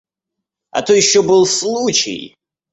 А то ещё был случай.